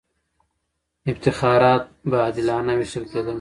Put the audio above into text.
افتخارات به عادلانه وېشل کېدله.